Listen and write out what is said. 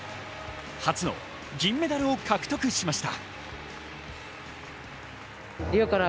初の銀メダルを獲得しました。